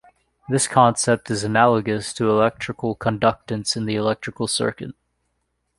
This concept is analogous to electrical conductance in the electric circuit.